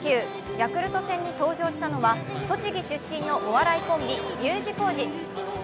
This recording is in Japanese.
ヤクルト戦に登場したのは栃木出身のお笑いコンビ、Ｕ字工事。